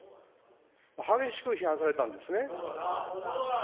激しく批判されたんですね。